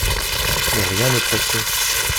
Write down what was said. Mais rien ne pressait.